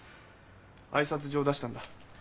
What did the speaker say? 挨拶状出したんだ？